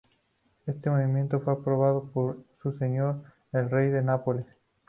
Este movimiento fue aprobado por su señor, el rey de Nápoles.